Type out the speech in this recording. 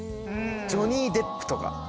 ジョニー・デップとか。